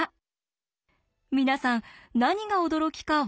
皆さん何が驚きか分かりましたか？